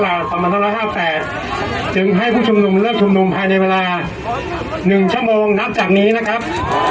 ครับขอบคุณมากครับในเช่นทั่วหน้านะครับ